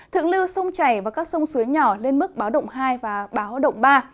thượng lưu sông chảy và các sông suối nhỏ lên mức báo động hai và báo động ba